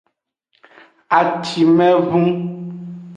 Acimevhun.